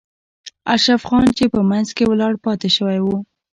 اشرف خان چې په منځ کې ولاړ پاتې شوی و.